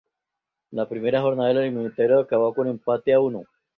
La primera jornada de la eliminatoria, acabó con empate a uno.